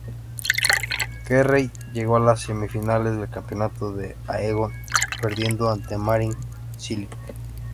Querrey llegó a las semifinales del Campeonato de Aegon, perdiendo ante Marin Čilić.